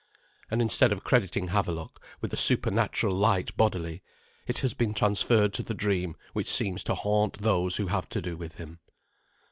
And instead of crediting Havelok with the supernatural light bodily, it has been transferred to the dream which seems to haunt those who have to do with him.